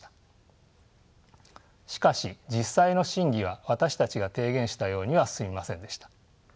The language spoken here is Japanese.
しかし実際の審議は私たちが提言したようには進みませんでした。